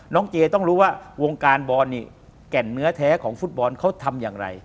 เจต้องรู้ว่าวงการบอลนี่แก่นเนื้อแท้ของฟุตบอลเขาทำอย่างไร